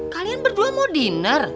kalian berdua mau dinner